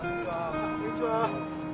こんにちは。